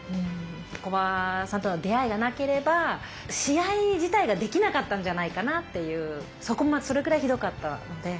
木場さんとの出会いがなければ試合自体ができなかったんじゃないかなっていうそれぐらいひどかったので。